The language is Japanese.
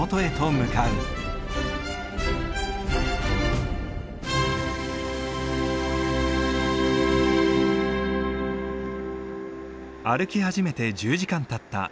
歩き始めて１０時間たった午後４時。